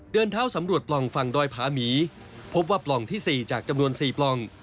เดินเท้าสำรวจปล่องฝั่งดอยผาหมีพบว่าปล่องที่๔จากจำนวน๔ปล่อง